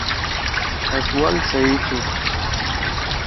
أ سوال صحیح تُھو۔